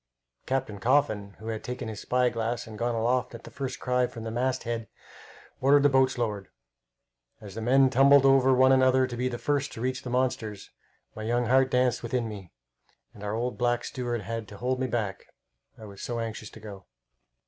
Captain Coffin, who had taken his spy glass and gone aloft at the first cry from the masthead, ordered the boats lowered. As the men tumbled over one another to be first to reach the monsters, my young heart danced within me, and our old black steward had to hold me back, I was so anxious to go.